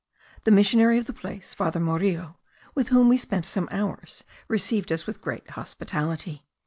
The missionary of the place, Father Morillo, with whom we spent some hours, received us with great hospitality.